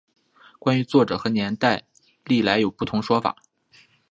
关于作者和年代历来有不同说法。